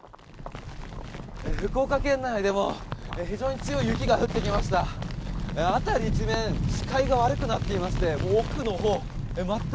福岡県内でも非常に強い雪が降ってきました。